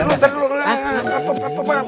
terima kasih pak